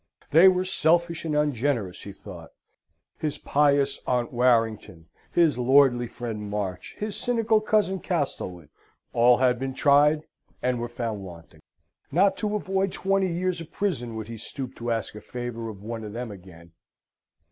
They were selfish and ungenerous, he thought. His pious Aunt Warrington, his lordly friend March, his cynical cousin Castlewood, all had been tried, and were found wanting. Not to avoid twenty years of prison would he stoop to ask a favour of one of them again.